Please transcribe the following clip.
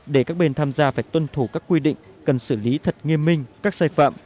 để các bên tham gia phải tuân thủ các quy định cần xử lý thật nghiêm minh các sai phạm